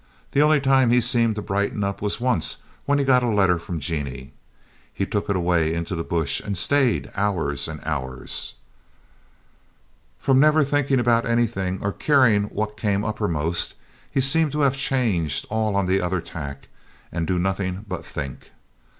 The only time he seemed to brighten up was once when he got a letter from Jeanie. He took it away into the bush and stayed hours and hours. From never thinking about anything or caring what came uppermost, he seemed to have changed all on the other tack and do nothing but think.